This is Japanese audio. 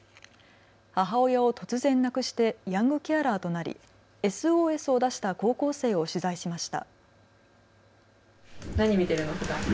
母親を突然亡くしてヤングケアラーとなりＳＯＳを出した高校生を取材しました。